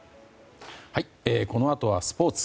このあとは、スポーツ。